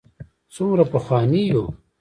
څومره پخواني یو.